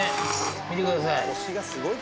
見てください。